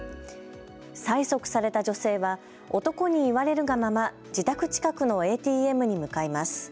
催促された女性は男に言われるがまま自宅近くのＡＴＭに向かいます。